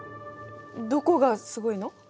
どこがすごいの？